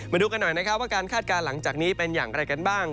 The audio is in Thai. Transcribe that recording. มาดูกันหน่อยนะครับว่าการคาดการณ์หลังจากนี้เป็นอย่างไรกันบ้าง